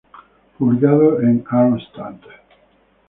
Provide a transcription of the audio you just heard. Publicado en Arnstadt.